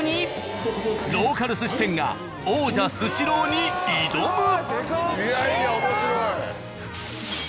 ローカル寿司店が王者・スシローに挑む！